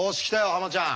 ハマちゃん。